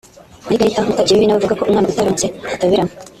Marigarita Mukakibibi nawe avuga ko umwana utaronse atayoberana